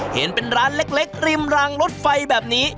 เห็นเป็นร้านเล็กริมรางรถไฟแบบนี้